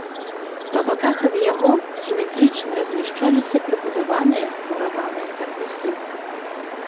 Па баках ад яго, сіметрычна размяшчаліся прыбудаваныя мураваныя карпусы.